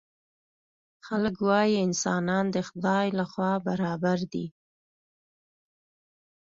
خلک وايي انسانان د خدای له خوا برابر دي.